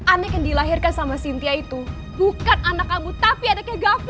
anek yang dilahirkan sama cynthia itu bukan anak kamu tapi anaknya gavin